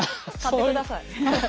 買ってください。